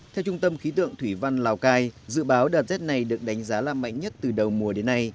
theo trung tâm khí tượng thủy văn lào cai dự báo đợt rét này được đánh giá là mạnh nhất từ đầu mùa đến nay